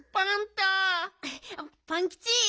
パンキチ。